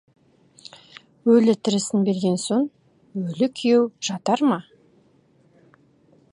«Өлі-тірісін» берген соң, өлі күйеу жатар ма!